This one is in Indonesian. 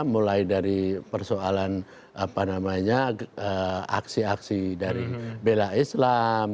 mulai dari persoalan aksi aksi dari bela islam